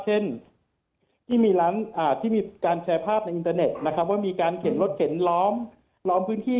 เช่นที่มีการแชร์ภาพในอินเทอร์เน็ตนะครับว่ามีการเข็นรถเข็นล้อมพื้นที่